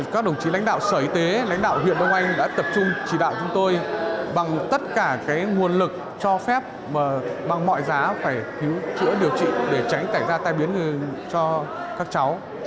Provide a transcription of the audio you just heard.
các đồng chí lãnh đạo sở y tế lãnh đạo huyện bông anh đã tập trung chỉ đạo chúng tôi bằng tất cả cái nguồn lực cho phép và bằng mọi giá phải chữa điều trị để tránh tảnh ra tai biến cho các cháu